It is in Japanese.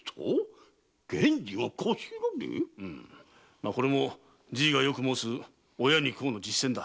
まあこれもじいがよく申す親に孝の実践だ。